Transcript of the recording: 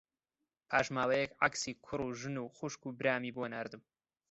پاش ماوەیەک عەکسی کوڕ و ژن و خوشک و برامی بۆ ناردم